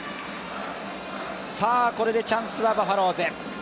これでチャンスは、バファローズ。